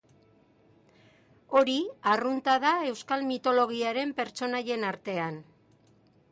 Hori arrunta da euskal mitologiaren pertsonaien artean.